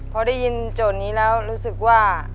พอได้ยินโจทย์นี้แล้วรู้สึกว่า